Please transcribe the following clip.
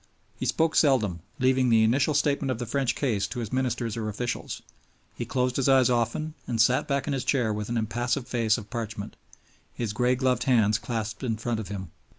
He spoke seldom, leaving the initial statement of the French case to his ministers or officials; he closed his eyes often and sat back in his chair with an impassive face of parchment, his gray gloved hands clasped in front of him.